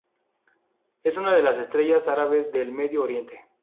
Es una de las estrellas árabes del Medio Oriente.